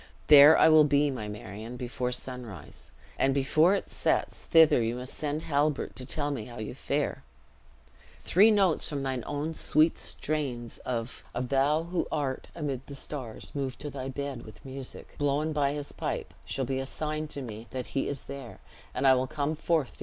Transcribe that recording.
There I will be, my Marion, before sunrise; and before it sets, thither you must send Halbert, to tell me how you fare. Three notes from thine own sweet strains of Thusa ha measg na reultan mor, blown by his pipe, shall be a sign to me that he is there; and I will come forth to hear tidings of thee."